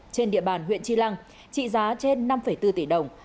trên địa bàn huyện tri lăng trị giá trên năm bốn tỷ đồng